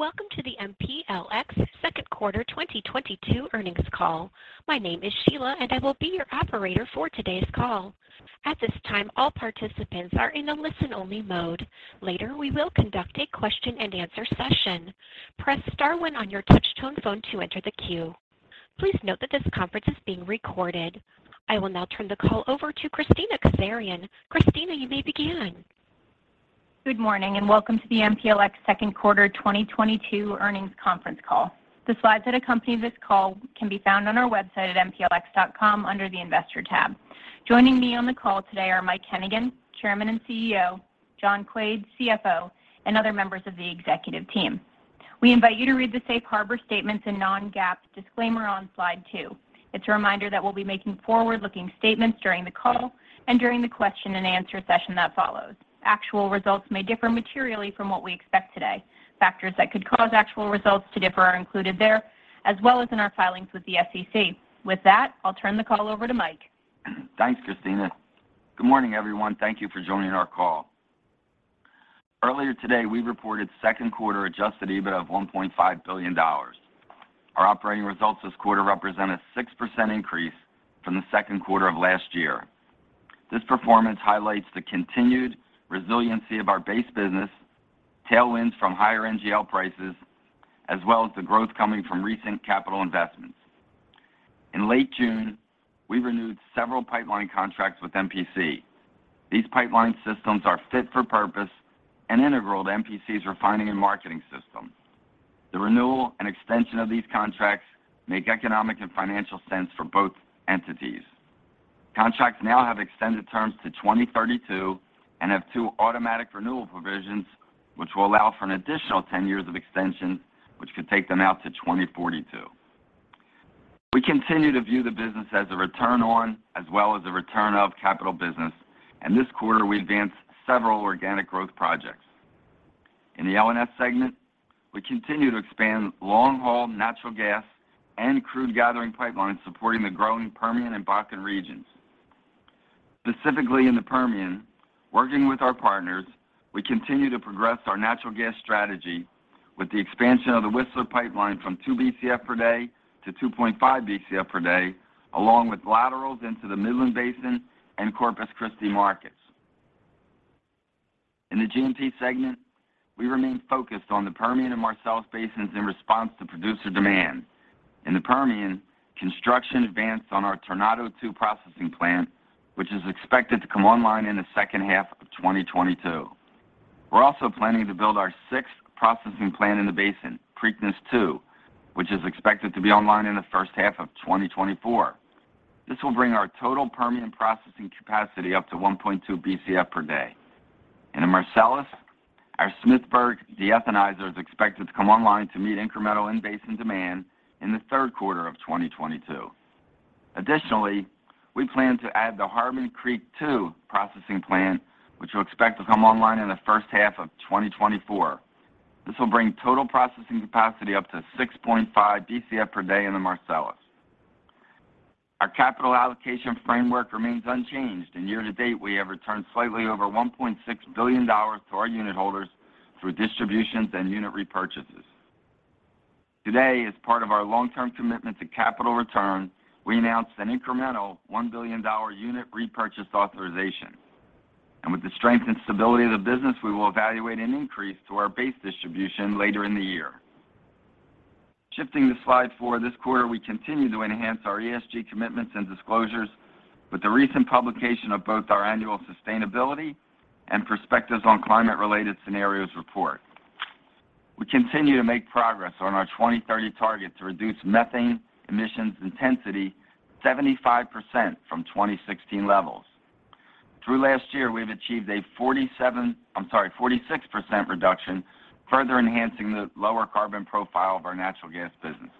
Welcome to the MPLX Second Quarter 2022 Earnings Call. My name is Sheila, and I will be your operator for today's call. At this time, all participants are in a listen-only mode. Later, we will conduct a question and answer session. Press star one on your touchtone phone to enter the queue. Please note that this conference is being recorded. I will now turn the call over to Kristina Kazarian. Kristina, you may begin. Good morning and welcome to the MPLX Second Quarter 2022 Earnings Conference Call. The slides that accompany this call can be found on our website at mplx.com under the Investor tab. Joining me on the call today are Mike Hennigan, Chairman and CEO, John Quaid, CFO, and other members of the executive team. We invite you to read the safe harbor statements and non-GAAP disclaimer on slide 2. It's a reminder that we'll be making forward-looking statements during the call and during the question and answer session that follows. Actual results may differ materially from what we expect today. Factors that could cause actual results to differ are included there, as well as in our filings with the SEC. With that, I'll turn the call over to Mike. Thanks, Kristina. Good morning, everyone. Thank you for joining our call. Earlier today, we reported second quarter Adjusted EBIT of $1.5 billion. Our operating results this quarter represent a 6% increase from the second quarter of last year. This performance highlights the continued resiliency of our base business, tailwinds from higher NGL prices, as well as the growth coming from recent capital investments. In late June, we renewed several pipeline contracts with MPC. These pipeline systems are fit for purpose and integral to MPC's refining and marketing system. The renewal and extension of these contracts make economic and financial sense for both entities. Contracts now have extended terms to 2032 and have two automatic renewal provisions which will allow for an additional 10 years of extension, which could take them out to 2042. We continue to view the business as a return on as well as a return of capital business, and this quarter we advanced several organic growth projects. In the L&S segment, we continue to expand long-haul natural gas and crude gathering pipelines supporting the growing Permian and Bakken regions. Specifically in the Permian, working with our partners, we continue to progress our natural gas strategy with the expansion of the Whistler Pipeline from 2 Bcf/d to 2.5 Bcf/d, along with laterals into the Midland Basin and Corpus Christi markets. In the G&P segment, we remain focused on the Permian and Marcellus basins in response to producer demand. In the Permian, construction advanced on our Tornado II processing plant, which is expected to come online in the second half of 2022. We're also planning to build our 6th processing plant in the basin, Preakness II, which is expected to be online in the first half of 2024. This will bring our total Permian processing capacity up to 1.2 Bcf/d. In the Marcellus, our Smithburg de-ethanizer is expected to come online to meet incremental in-basin demand in the third quarter of 2022. Additionally, we plan to add the Harmon Creek II processing plant, which we'll expect to come online in the first half of 2024. This will bring total processing capacity up to 6.5 Bcf/d in the Marcellus. Our capital allocation framework remains unchanged. In year-to-date, we have returned slightly over $1.6 billion to our unit holders through distributions and unit repurchases. Today, as part of our long-term commitment to capital return, we announced an incremental $1 billion unit repurchase authorization. With the strength and stability of the business, we will evaluate an increase to our base distribution later in the year. Shifting to slide 4, this quarter, we continue to enhance our ESG commitments and disclosures with the recent publication of both our annual sustainability and perspectives on climate-related scenarios report. We continue to make progress on our 2030 target to reduce methane emissions intensity 75% from 2016 levels. Through last year, we have achieved a 46% reduction, further enhancing the lower carbon profile of our natural gas business.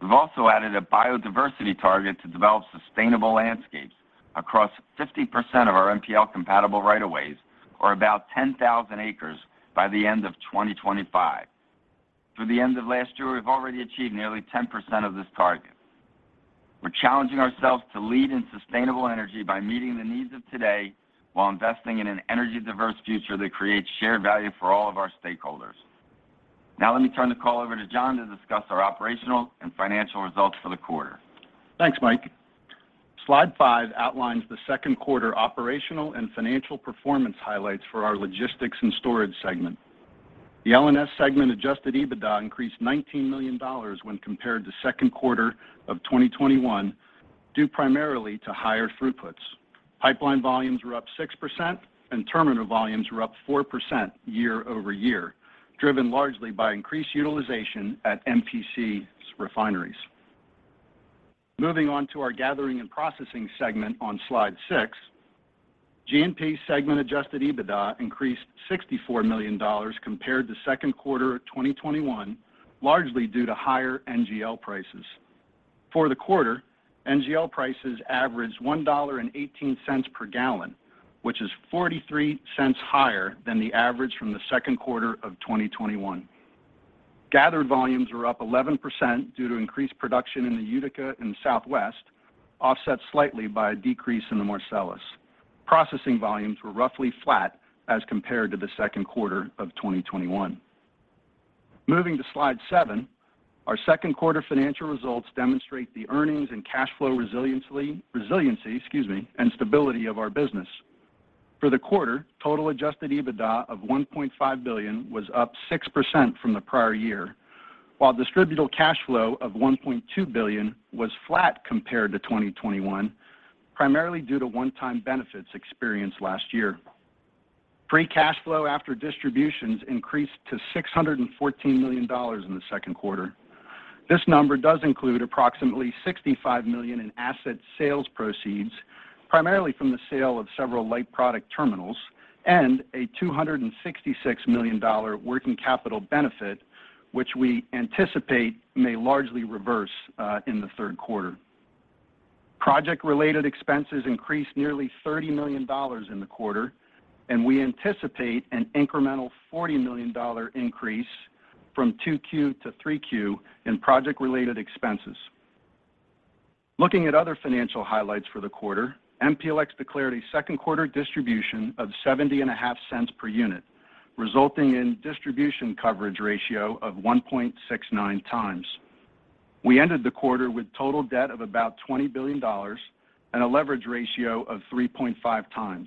We've also added a biodiversity target to develop sustainable landscapes across 50% of our MPL-compatible rights-of-way, or about 10,000 acres by the end of 2025. Through the end of last year, we've already achieved nearly 10% of this target. We're challenging ourselves to lead in sustainable energy by meeting the needs of today while investing in an energy-diverse future that creates shared value for all of our stakeholders. Now let me turn the call over to John to discuss our operational and financial results for the quarter. Thanks, Mike. Slide 5 outlines the second quarter operational and financial performance highlights for our logistics and storage segment. The L&S segment adjusted EBITDA increased $19 million when compared to second quarter of 2021, due primarily to higher throughputs. Pipeline volumes were up 6%, and terminal volumes were up 4% year-over-year, driven largely by increased utilization at MPC's refineries. Moving on to our gathering and processing segment on Slide 6, G&P segment adjusted EBITDA increased $64 million compared to second quarter of 2021, largely due to higher NGL prices. For the quarter, NGL prices averaged $1.18 per gallon, which is $0.43 higher than the average from the second quarter of 2021. Gathered volumes were up 11% due to increased production in the Utica and Southwest, offset slightly by a decrease in the Marcellus. Processing volumes were roughly flat as compared to the second quarter of 2021. Moving to slide 7, our second quarter financial results demonstrate the earnings and cash flow resiliency and stability of our business. For the quarter, total adjusted EBITDA of $1.5 billion was up 6% from the prior year, while distributable cash flow of $1.2 billion was flat compared to 2021, primarily due to one-time benefits experienced last year. Free cash flow after distributions increased to $614 million in the second quarter. This number does include approximately $65 million in asset sales proceeds, primarily from the sale of several light product terminals and a $266 million working capital benefit, which we anticipate may largely reverse in the third quarter. Project-related expenses increased nearly $30 million in the quarter, and we anticipate an incremental $40 million increase from 2Q to 3Q in project-related expenses. Looking at other financial highlights for the quarter, MPLX declared a second quarter distribution of $0.705 per unit, resulting in Distribution Coverage Ratio of 1.69x. We ended the quarter with total debt of about $20 billion and a leverage ratio of 3.5x.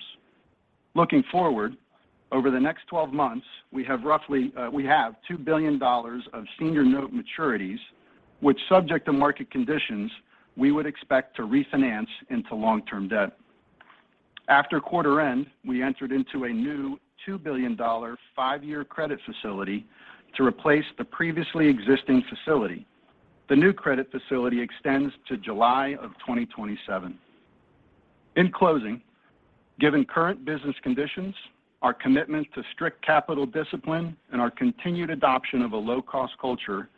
Looking forward, over the next 12 months, we have $2 billion of senior note maturities, which, subject to market conditions, we would expect to refinance into long-term debt. After quarter end, we entered into a new $2 billion 5-year credit facility to replace the previously existing facility. The new credit facility extends to July 2027. In closing, given current business conditions, our commitment to strict capital discipline, and our continued adoption of a low-cost culture,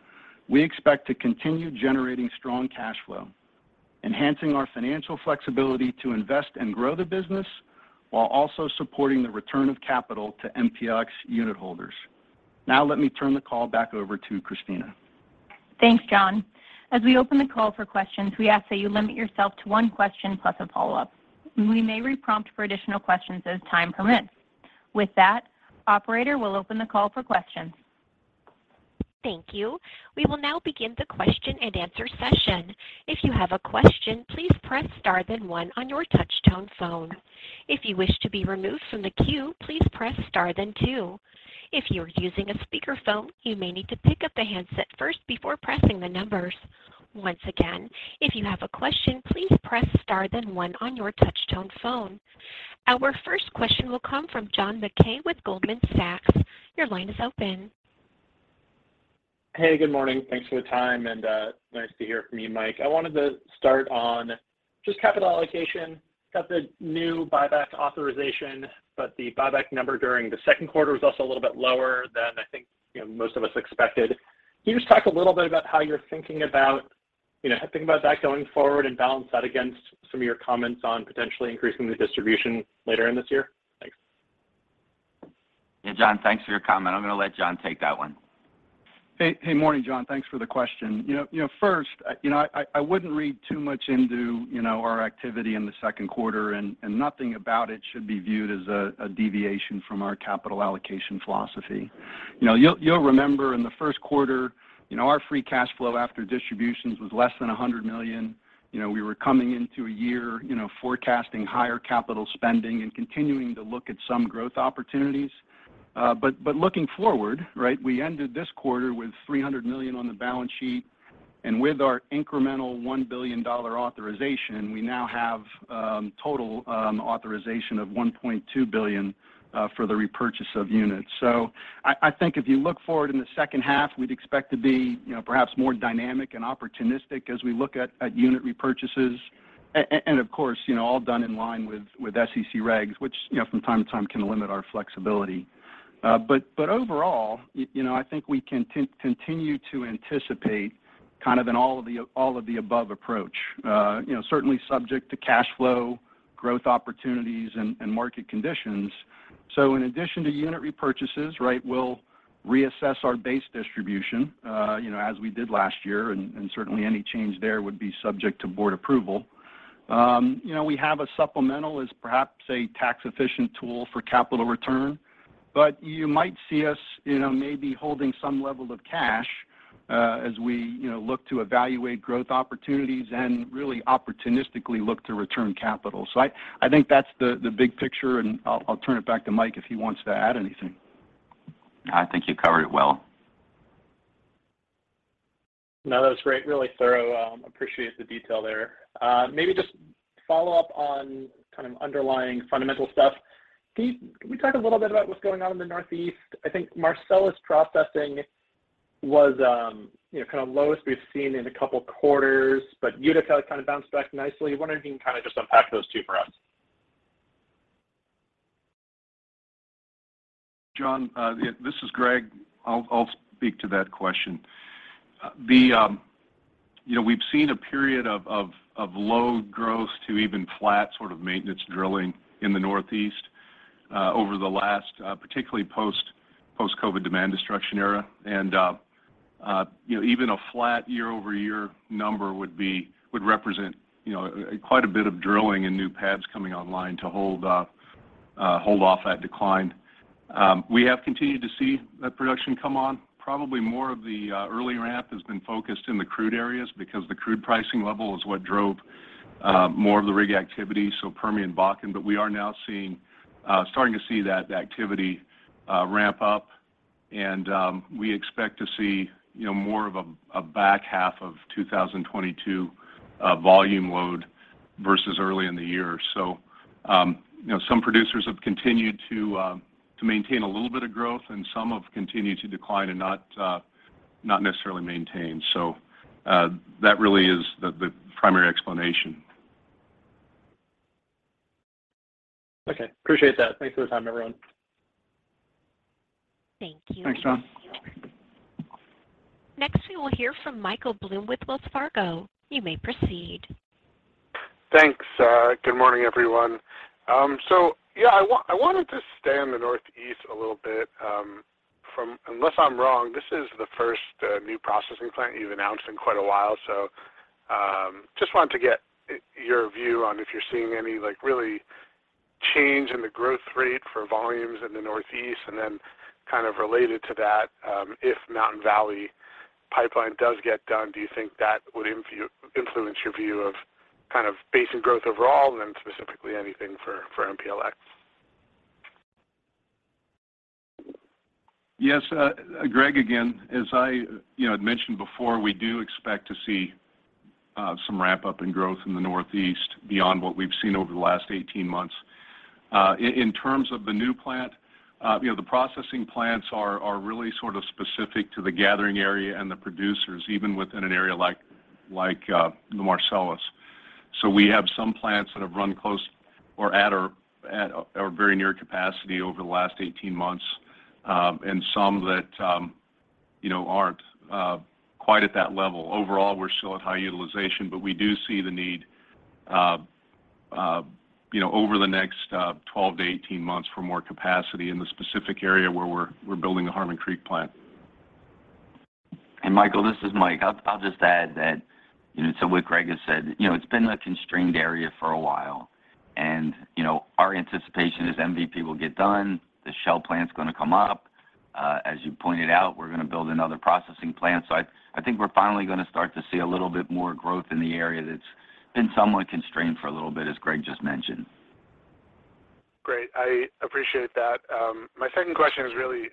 we expect to continue generating strong cash flow, enhancing our financial flexibility to invest and grow the business while also supporting the return of capital to MPLX unitholders. Now let me turn the call back over to Kristina. Thanks, John. As we open the call for questions, we ask that you limit yourself to one question plus a follow-up. We may re-prompt for additional questions as time permits. With that, operator will open the call for questions. Thank you. We will now begin the question and answer session. If you have a question, please press star then one on your touch tone phone. If you wish to be removed from the queue, please press star then two. If you are using a speakerphone, you may need to pick up the handset first before pressing the numbers. Once again, if you have a question, please press star then one on your touch tone phone. Our first question will come from John Mackay with Goldman Sachs. Your line is open. Hey, good morning. Thanks for the time and nice to hear from you, Mike. I wanted to start on just capital allocation. Got the new buyback authorization, but the buyback number during the second quarter was also a little bit lower than I think, you know, most of us expected. Can you just talk a little bit about how you're thinking about, you know, thinking about that going forward and balance that against some of your comments on potentially increasing the distribution later in this year? Thanks. Yeah. John, thanks for your comment. I'm gonna let John take that one. Hey. Morning, John. Thanks for the question. You know, first, you know, I wouldn't read too much into, you know, our activity in the second quarter and nothing about it should be viewed as a deviation from our capital allocation philosophy. You know, you'll remember in the first quarter, you know, our free cash flow after distributions was less than $100 million. You know, we were coming into a year, you know, forecasting higher capital spending and continuing to look at some growth opportunities. But looking forward, right, we ended this quarter with $300 million on the balance sheet. With our incremental $1 billion authorization, we now have total authorization of $1.2 billion for the repurchase of units. I think if you look forward in the second half, we'd expect to be, you know, perhaps more dynamic and opportunistic as we look at unit repurchases. Of course, you know, all done in line with SEC regs, which you know, from time to time can limit our flexibility. But overall, you know, I think we continue to anticipate kind of an all-of-the-above approach. You know, certainly subject to cash flow, growth opportunities and market conditions. In addition to unit repurchases, right, we'll reassess our base distribution, you know, as we did last year, and certainly any change there would be subject to board approval. You know, we have a supplemental as perhaps a tax efficient tool for capital return, but you might see us, you know, maybe holding some level of cash, as we, you know, look to evaluate growth opportunities and really opportunistically look to return capital. I think that's the big picture, and I'll turn it back to Mike if he wants to add anything. I think you covered it well. No, that was great. Really thorough. Appreciate the detail there. Maybe just follow up on kind of underlying fundamental stuff. Can we talk a little bit about what's going on in the Northeast? I think Marcellus processing was, you know, kind of lowest we've seen in a couple quarters, but Utica kind of bounced back nicely. Wondering if you can kinda just unpack those two for us. John, this is Greg. I'll speak to that question. You know, we've seen a period of low growth to even flat sort of maintenance drilling in the Northeast. Over the last, particularly post-COVID demand destruction era. You know, even a flat year-over-year number would represent quite a bit of drilling and new pads coming online to hold off that decline. We have continued to see that production come on. Probably more of the early ramp has been focused in the crude areas because the crude pricing level is what drove more of the rig activity, so Permian Bakken. We are now starting to see that activity ramp up, and we expect to see, you know, more of a back half of 2022 volume load versus early in the year. You know, some producers have continued to maintain a little bit of growth and some have continued to decline and not necessarily maintain. That really is the primary explanation. Okay. Appreciate that. Thanks for the time, everyone. Thank you. Thanks, John. Next, we will hear from Michael Blum with Wells Fargo. You may proceed. Thanks. Good morning, everyone. Yeah, I wanted to stay in the Northeast a little bit. Unless I'm wrong, this is the first new processing plant you've announced in quite a while. Just wanted to get your view on if you're seeing any, like, really change in the growth rate for volumes in the Northeast. And then kind of related to that, if Mountain Valley Pipeline does get done, do you think that would influence your view of kind of basin growth overall and specifically anything for MPLX? Yes, Greg, again, as I, you know, had mentioned before, we do expect to see some ramp-up in growth in the Northeast beyond what we've seen over the last 18 months. In terms of the new plant, you know, the processing plants are really sort of specific to the gathering area and the producers, even within an area like the Marcellus. We have some plants that have run close or at or very near capacity over the last 18 months, and some that, you know, aren't quite at that level. Overall, we're still at high utilization, but we do see the need, you know, over the next 12 months-18 months for more capacity in the specific area where we're building the Harmon Creek plant. Michael, this is Mike. I'll just add that, you know, to what Greg has said. You know, it's been a constrained area for a while. Our anticipation is MVP will get done. The Shell plant's gonna come up. As you pointed out, we're gonna build another processing plant. I think we're finally gonna start to see a little bit more growth in the area that's been somewhat constrained for a little bit, as Greg just mentioned. Great. I appreciate that. My second question is really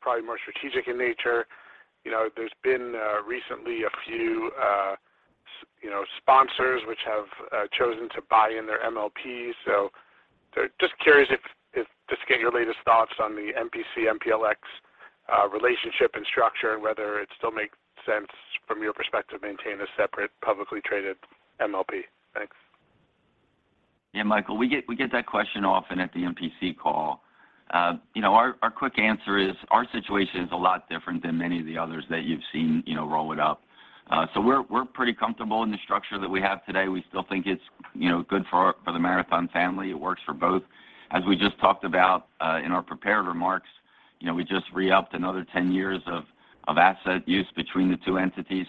probably more strategic in nature. You know, there's been recently a few you know, sponsors which have chosen to buy in their MLPs. Just curious if just to get your latest thoughts on the MPC/MPLX relationship and structure and whether it still makes sense from your perspective to maintain a separate publicly traded MLP. Thanks. Yeah, Michael, we get that question often at the MPC call. You know, our quick answer is our situation is a lot different than many of the others that you've seen, you know, roll it up. We're pretty comfortable in the structure that we have today. We still think it's good for the Marathon family. It works for both. As we just talked about in our prepared remarks, you know, we just re-upped another 10 years of asset use between the two entities.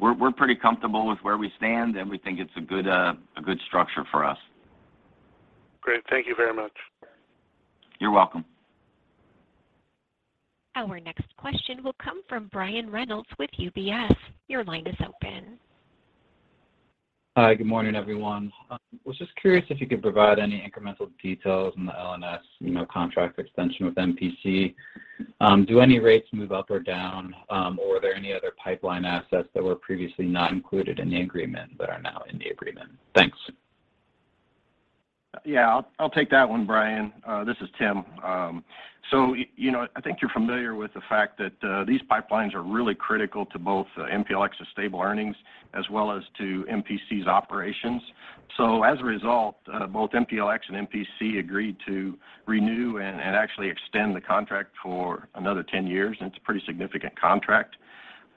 We're pretty comfortable with where we stand, and we think it's a good structure for us. Great. Thank you very much. You're welcome. Our next question will come from Brian Reynolds with UBS. Your line is open. Hi. Good morning, everyone. Was just curious if you could provide any incremental details on the L&S, you know, contract extension with MPC. Do any rates move up or down, or are there any other pipeline assets that were previously not included in the agreement but are now in the agreement? Thanks. Yeah. I'll take that one, Brian. This is Tim. You know, I think you're familiar with the fact that these pipelines are really critical to both MPLX's stable earnings as well as to MPC's operations. As a result, both MPLX and MPC agreed to renew and actually extend the contract for another 10 years, and it's a pretty significant contract.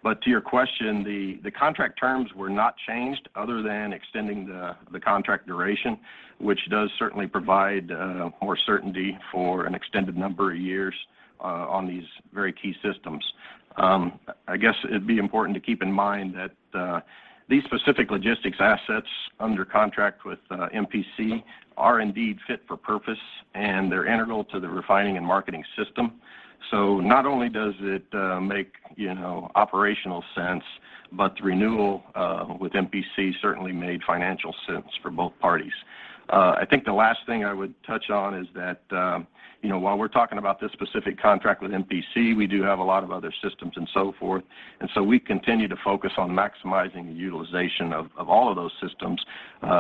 To your question, the contract terms were not changed other than extending the contract duration, which does certainly provide more certainty for an extended number of years on these very key systems. I guess it'd be important to keep in mind that these specific logistics assets under contract with MPC are indeed fit for purpose, and they're integral to the refining and marketing system. Not only does it make, you know, operational sense, but the renewal with MPC certainly made financial sense for both parties. I think the last thing I would touch on is that, you know, while we're talking about this specific contract with MPC, we do have a lot of other systems and so forth. We continue to focus on maximizing the utilization of all of those systems,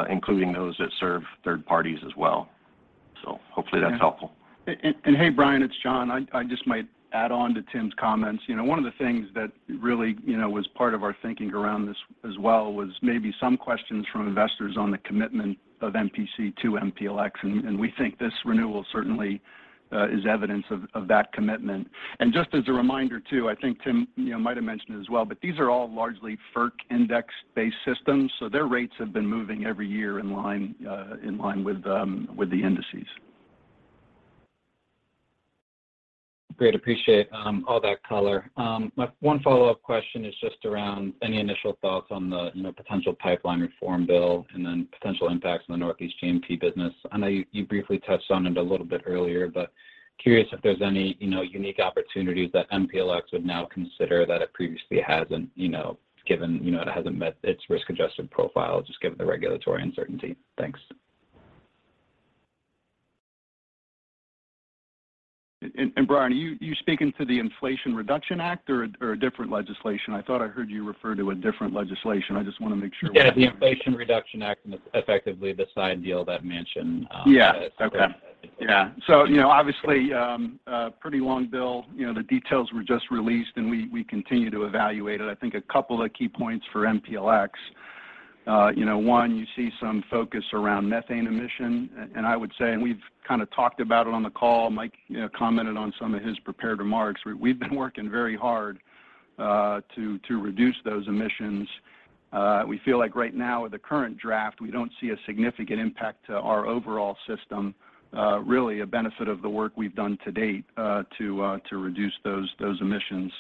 including those that serve third parties as well. Hopefully that's helpful. Hey, Brian, it's John. I just might add on to Tim's comments. You know, one of the things that really, you know, was part of our thinking around this as well was maybe some questions from investors on the commitment of MPC to MPLX. We think this renewal certainly Is evidence of that commitment. Just as a reminder too, I think Tim, you know, might have mentioned it as well, but these are all largely FERC index-based systems, so their rates have been moving every year in line with the indices. Great. Appreciate all that color. My one follow-up question is just around any initial thoughts on the, you know, potential pipeline reform bill, and then potential impacts on the Northeast G&P business. I know you briefly touched on it a little bit earlier, but curious if there's any, you know, unique opportunities that MPLX would now consider that it previously hasn't, you know, given, you know, it hasn't met its risk-adjusted profile, just given the regulatory uncertainty. Thanks. Brian, are you speaking to the Inflation Reduction Act or a different legislation? I thought I heard you refer to a different legislation. I just wanna make sure. Yeah, the Inflation Reduction Act and effectively the side deal that Manchin, Yeah. Okay. Yeah. You know, obviously, a pretty long bill. You know, the details were just released, and we continue to evaluate it. I think a couple of key points for MPLX. You know, one, you see some focus around methane emission. And I would say, and we've kind of talked about it on the call, Mike, you know, commented on some of his prepared remarks. We've been working very hard to reduce those emissions. We feel like right now with the current draft, we don't see a significant impact to our overall system, really a benefit of the work we've done to date to reduce those emissions.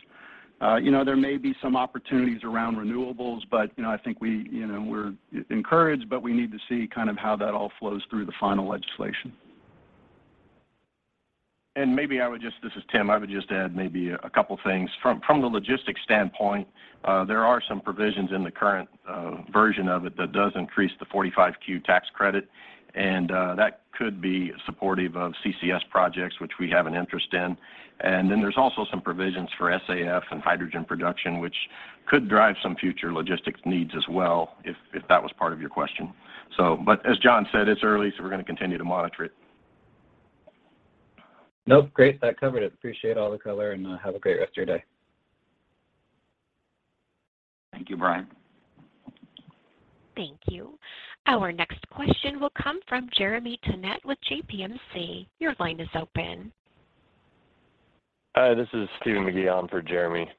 You know, there may be some opportunities around renewables, but you know, I think we, you know, we're encouraged, but we need to see kind of how that all flows through the final legislation. This is Tim. I would just add maybe a couple things. From the logistics standpoint, there are some provisions in the current version of it that does increase the 45Q tax credit, and that could be supportive of CCS projects, which we have an interest in. There's also some provisions for SAF and hydrogen production, which could drive some future logistics needs as well if that was part of your question. But as John said, it's early, so we're gonna continue to monitor it. Nope. Great. That covered it. Appreciate all the color, and have a great rest of your day. Thank you, Brian. Thank you. Our next question will come from Jeremy Tonet with JPMC. Your line is open. Hi, this is Stephen McGee on for Jeremy.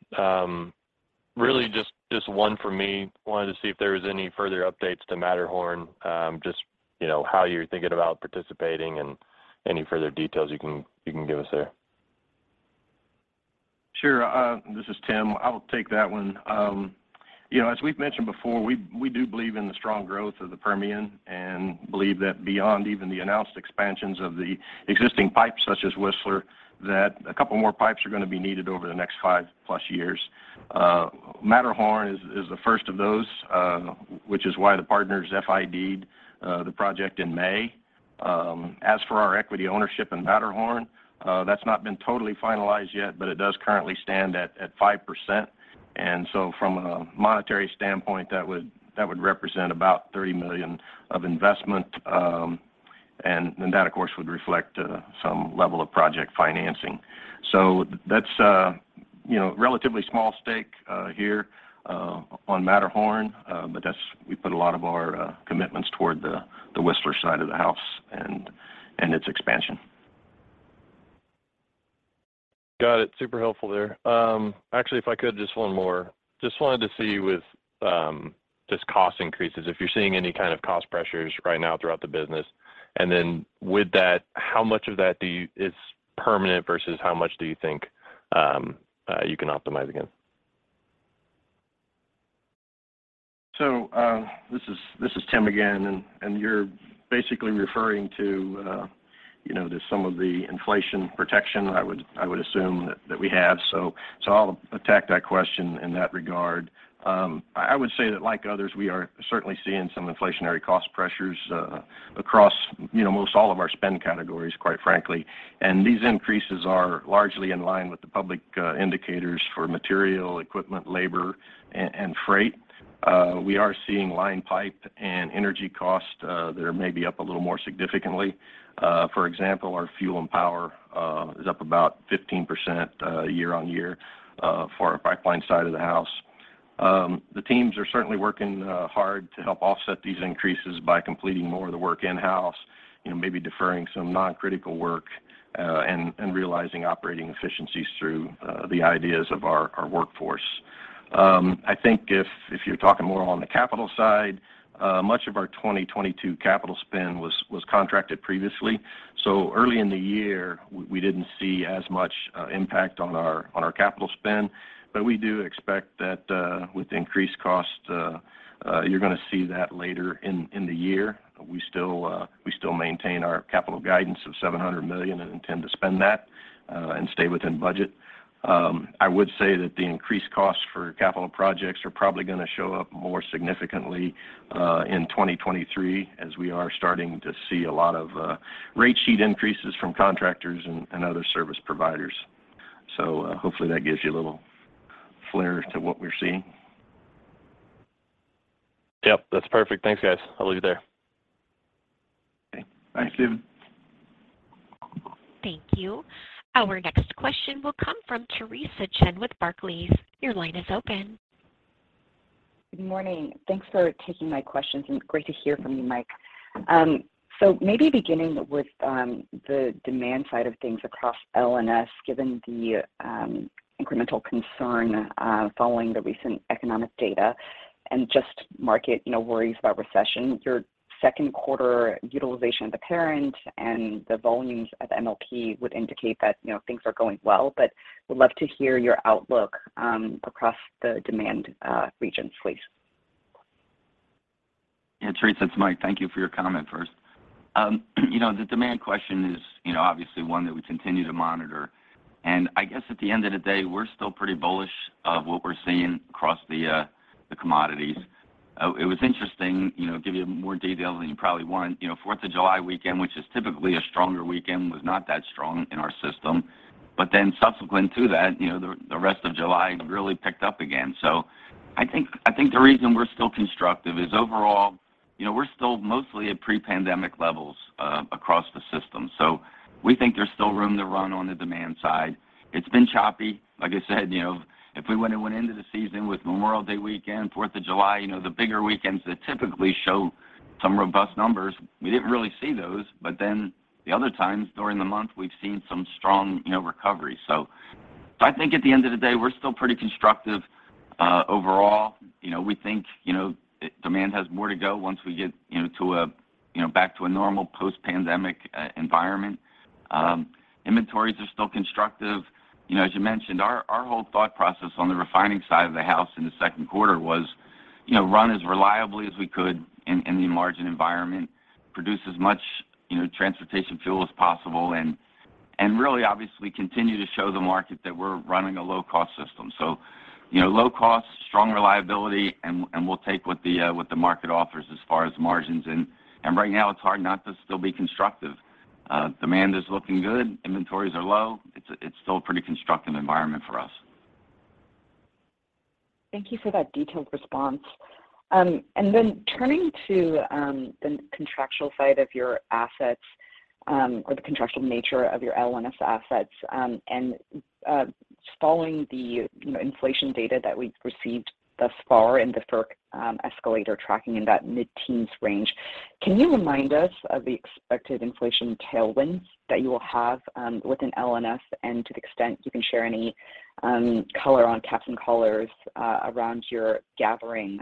Really just one for me. Wanted to see if there was any further updates to Matterhorn, just, you know, how you're thinking about participating and any further details you can give us there. Sure. This is Tim. I'll take that one. You know, as we've mentioned before, we do believe in the strong growth of the Permian and believe that beyond even the announced expansions of the existing pipes such as Whistler, that a couple more pipes are gonna be needed over the next 5+ years. Matterhorn is the first of those, which is why the partners FIDed the project in May. As for our equity ownership in Matterhorn, that's not been totally finalized yet, but it does currently stand at 5%. From a monetary standpoint, that would represent about $30 million of investment, and then that, of course, would reflect some level of project financing. That's, you know, relatively small stake here on Matterhorn, but that's we put a lot of our commitments toward the Whistler side of the house and its expansion. Got it. Super helpful there. Actually, if I could, just one more. Just wanted to see with, just cost increases, if you're seeing any kind of cost pressures right now throughout the business. With that, how much of that is permanent versus how much do you think you can optimize again? This is Tim again. You're basically referring to, you know, just some of the inflation protection, I would assume that we have. I'll attack that question in that regard. I would say that like others, we are certainly seeing some inflationary cost pressures across, you know, most all of our spend categories, quite frankly. These increases are largely in line with the public indicators for material, equipment, labor, and freight. We are seeing line pipe and energy costs that are maybe up a little more significantly. For example, our fuel and power is up about 15% year-over-year for our pipeline side of the house. The teams are certainly working hard to help offset these increases by completing more of the work in-house, you know, maybe deferring some non-critical work, and realizing operating efficiencies through the ideas of our workforce. I think if you're talking more on the capital side, much of our 2022 capital spend was contracted previously, so early in the year we didn't see as much impact on our capital spend. We do expect that with increased costs, you're gonna see that later in the year. We still maintain our capital guidance of $700 million and intend to spend that and stay within budget. I would say that the increased costs for capital projects are probably gonna show up more significantly in 2023 as we are starting to see a lot of rate sheet increases from contractors and other service providers. Hopefully, that gives you a little flavor to what we're seeing. Yep. That's perfect. Thanks, guys. I'll leave it there. Okay. Thanks, Stephen. Thank you. Our next question will come from Theresa Chen with Barclays. Your line is open. Good morning. Thanks for taking my questions and great to hear from you, Mike. Maybe beginning with the demand side of things across L&S, given the incremental concern following the recent economic data and just market, you know, worries about recession. Your second quarter utilization of the parent and the volumes at MLP would indicate that, you know, things are going well, but would love to hear your outlook across the demand regions, please. Yeah, Theresa, it's Mike. Thank you for your comment first. You know, the demand question is, you know, obviously one that we continue to monitor. I guess at the end of the day, we're still pretty bullish of what we're seeing across the commodities. It was interesting, you know, give you more detail than you probably want. You know, Fourth of July weekend, which is typically a stronger weekend, was not that strong in our system. Then subsequent to that, you know, the rest of July really picked up again. I think the reason we're still constructive is overall, you know, we're still mostly at pre-pandemic levels, across the system. We think there's still room to run on the demand side. It's been choppy. Like I said, you know, if we went into the season with Memorial Day weekend, Fourth of July, you know, the bigger weekends that typically show some robust numbers, we didn't really see those. The other times during the month, we've seen some strong, you know, recovery. I think at the end of the day, we're still pretty constructive, overall. You know, we think, you know, demand has more to go once we get, you know, to a, you know, back to a normal post-pandemic environment. Inventories are still constructive. You know, as you mentioned, our whole thought process on the refining side of the house in the second quarter was, you know, run as reliably as we could in the margin environment, produce as much, you know, transportation fuel as possible, and really obviously continue to show the market that we're running a low-cost system. You know, low cost, strong reliability, and we'll take what the market offers as far as margins. Right now it's hard not to still be constructive. Demand is looking good. Inventories are low. It's still a pretty constructive environment for us. Thank you for that detailed response. Turning to the contractual side of your assets, or the contractual nature of your L&S assets, and following the, you know, inflation data that we've received thus far in the FERC, escalator tracking in that mid-teens range, can you remind us of the expected inflation tailwinds that you will have within L&S and to the extent you can share any color on caps and collars around your gathering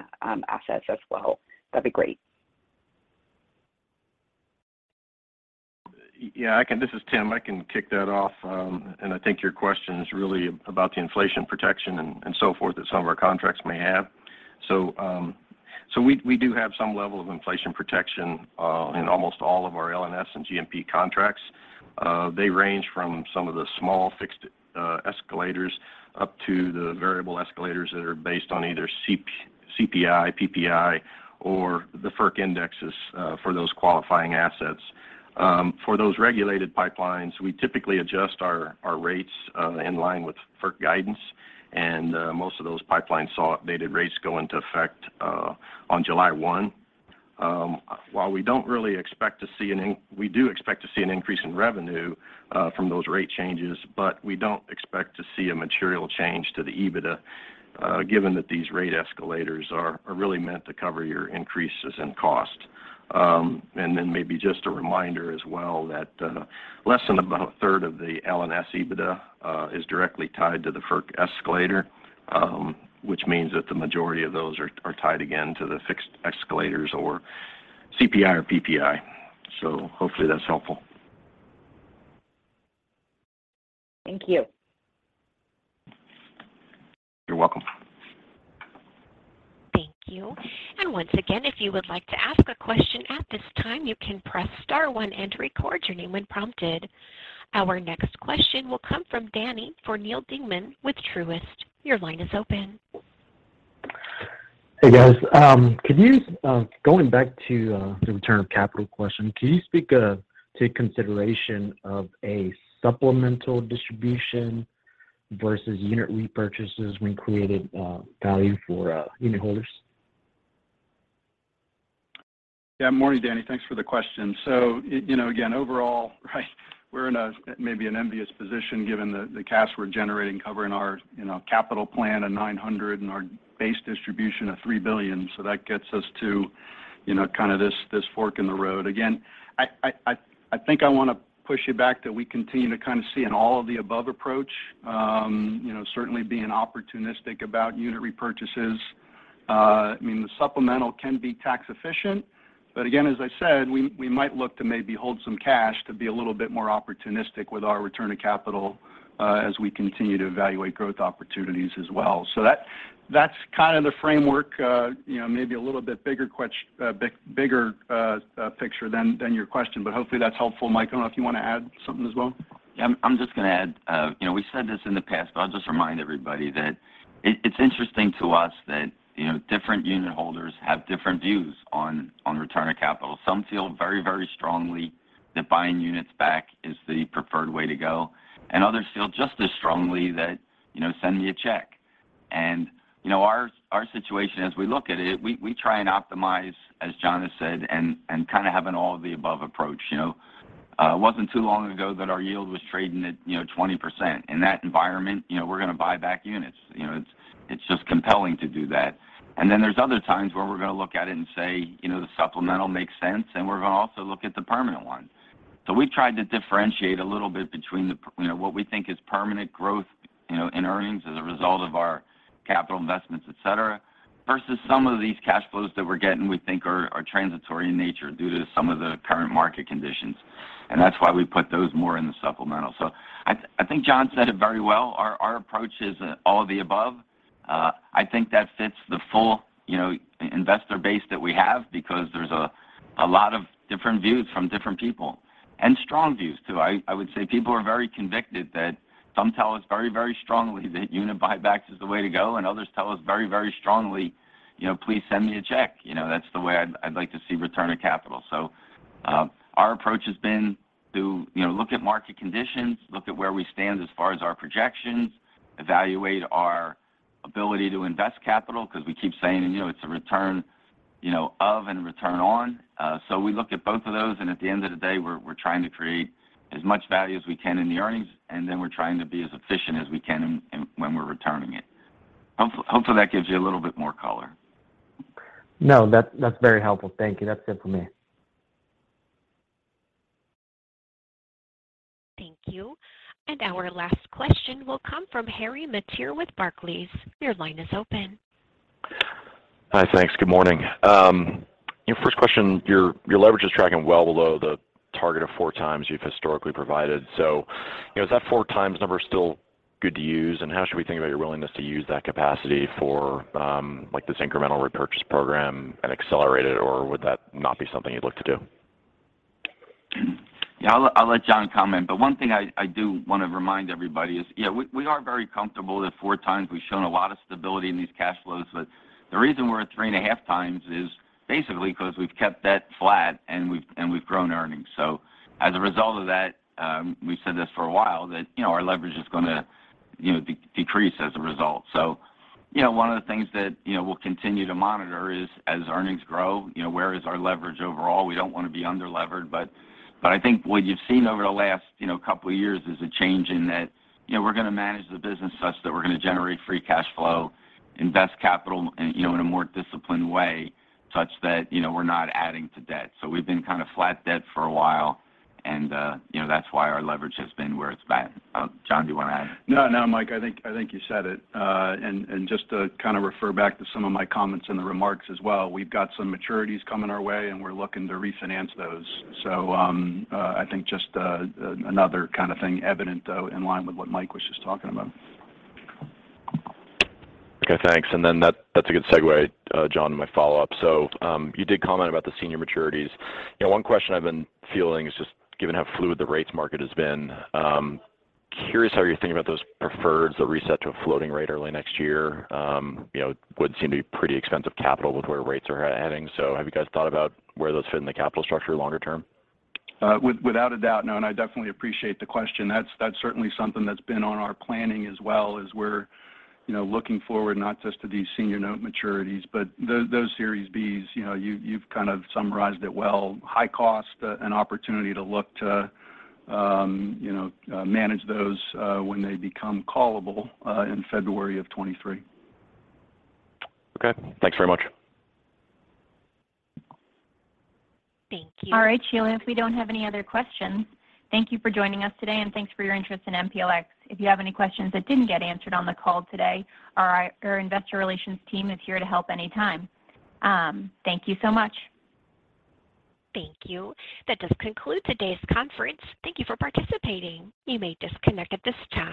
assets as well? That'd be great. Yeah, I can. This is Tim. I can kick that off. I think your question is really about the inflation protection and so forth that some of our contracts may have. We do have some level of inflation protection in almost all of our L&S and G&P contracts. They range from some of the small fixed escalators up to the variable escalators that are based on either CPI, PPI, or the FERC indexes for those qualifying assets. For those regulated pipelines, we typically adjust our rates in line with FERC guidance. Most of those pipelines saw updated rates go into effect on July 1. We do expect to see an increase in revenue from those rate changes, but we don't expect to see a material change to the EBITDA, given that these rate escalators are really meant to cover our increases in cost. Then maybe just a reminder as well that less than about a third of the L&S EBITDA is directly tied to the FERC escalator, which means that the majority of those are tied again to the fixed escalators or CPI or PPI. Hopefully that's helpful. Thank you. You're welcome. Thank you. Once again, if you would like to ask a question at this time, you can press star one and record your name when prompted. Our next question will come from Danny for Neal Dingmann with Truist. Your line is open. Hey, guys. Could you, going back to the return of capital question, can you speak to consideration of a supplemental distribution versus unit repurchases when creating value for unitholders? Yeah. Morning, Danny. Thanks for the question. You know, again, overall, right, we're in maybe an enviable position given the cash we're generating covering our, you know, capital plan of $900 million and our base distribution of $3 billion. That gets us to, you know, kind of this fork in the road. Again, I think I wanna push you back that we continue to kind of see an all of the above approach, you know, certainly being opportunistic about unit repurchases. I mean, the supplemental can be tax efficient, but again, as I said, we might look to maybe hold some cash to be a little bit more opportunistic with our return of capital, as we continue to evaluate growth opportunities as well. That's kind of the framework, you know, maybe a little bit bigger picture than your question, but hopefully that's helpful. Mike, I don't know if you wanna add something as well. Yeah. I'm just gonna add, you know, we've said this in the past, but I'll just remind everybody that it's interesting to us that, you know, different unitholders have different views on return of capital. Some feel very, very strongly that buying units back is the preferred way to go, and others feel just as strongly that, you know, send me a check. Our situation as we look at it, we try and optimize, as John has said, and kind of have an all of the above approach, you know? It wasn't too long ago that our yield was trading at, you know, 20%. In that environment, you know, we're gonna buy back units. You know, it's just compelling to do that. There's other times where we're gonna look at it and say, you know, the supplemental makes sense, and we're gonna also look at the permanent ones. We've tried to differentiate a little bit between you know, what we think is permanent growth, you know, in earnings as a result of our capital investments, et cetera, versus some of these cash flows that we're getting we think are transitory in nature due to some of the current market conditions, and that's why we put those more in the supplemental. I think John said it very well. Our approach is all of the above. I think that fits the full, you know, investor base that we have because there's a lot of different views from different people, and strong views too. I would say people are very convicted that. Some tell us very, very strongly that unit buybacks is the way to go, and others tell us very, very strongly, you know, "Please send me a check, you know. That's the way I'd like to see return of capital." Our approach has been to, you know, look at market conditions, look at where we stand as far as our projections, evaluate our ability to invest capital 'cause we keep saying, you know, it's a return, you know, of and return on, so we look at both of those, and at the end of the day we're trying to create as much value as we can in the earnings, and then we're trying to be as efficient as we can in when we're returning it. Hopefully that gives you a little bit more color. No. That's very helpful. Thank you. That's it for me. Thank you. Our last question will come from Harry Mateer with Barclays. Your line is open. Hi. Thanks. Good morning. You know, first question, your leverage is tracking well below the target of 4x you've historically provided. You know, is that 4x number still good to use, and how should we think about your willingness to use that capacity for, like, this incremental repurchase program and accelerate it, or would that not be something you'd look to do? Yeah. I'll let John comment, but one thing I do wanna remind everybody is, you know, we are very comfortable at 4x. We've shown a lot of stability in these cash flows. The reason we're at 3.5x is basically 'cause we've kept debt flat, and we've grown earnings. As a result of that, we've said this for a while that, you know, our leverage is gonna, you know, decrease as a result. One of the things that, you know, we'll continue to monitor is, as earnings grow, you know, where is our leverage overall? We don't wanna be under-levered. I think what you've seen over the last, you know, couple years is a change in that, you know, we're gonna manage the business such that we're gonna generate Free Cash Flow, invest capital in, you know, in a more disciplined way such that, you know, we're not adding to debt. We've been kind of flat debt for a while and, you know, that's why our leverage has been where it's been. John, do you wanna add? No, Mike, I think you said it. Just to kind of refer back to some of my comments in the remarks as well, we've got some maturities coming our way, and we're looking to refinance those. I think just another kind of thing evident in line with what Mike was just talking about. Okay. Thanks. That’s a good segue, John, to my follow-up. You did comment about the senior maturities. You know, one question I’ve been fielding is just given how fluid the rates market has been, curious how you’re thinking about those preferred that reset to a floating rate early next year. You know, would seem to be pretty expensive capital with where rates are heading. Have you guys thought about where those fit in the capital structure longer term? Without a doubt, no, and I definitely appreciate the question. That's certainly something that's been on our planning as well is we're, you know, looking forward not just to these senior note maturities, but those Series B's, you know, you've kind of summarized it well. High cost, an opportunity to look to, you know, manage those, when they become callable, in February of 2023. Okay. Thanks very much. Thank you. All right. Sheila, if we don't have any other questions, thank you for joining us today and thanks for your interest in MPLX. If you have any questions that didn't get answered on the call today, our Investor Relations team is here to help anytime. Thank you so much. Thank you. That does conclude today's conference. Thank you for participating. You may disconnect at this time.